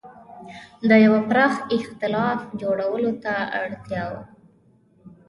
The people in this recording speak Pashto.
د یوه پراخ اېتلاف جوړولو ته اړتیا وه.